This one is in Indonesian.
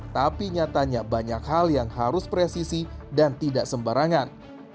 tapi nyatanya banyak hal yang harus presisi dan tidak sembarangan